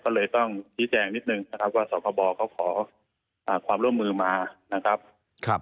ก็เลยต้องชี้แจงนิดนึงนะครับว่าสพบเขาขอความร่วมมือมานะครับ